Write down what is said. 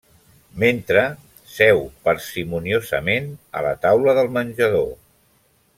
Mentre, seu parsimoniosament a la taula del menjador.